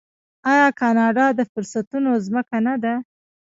آیا کاناډا د فرصتونو ځمکه نه ده؟